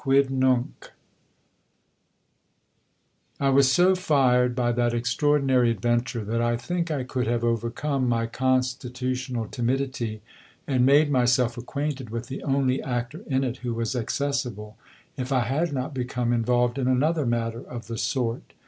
QUIDNUNC I was so fired by that extraordinary adventure, that I think I could have overcome my constitutional timidity and made myself acquainted with the only actor in it who was accessible if I had not become involved in another matter of the sort.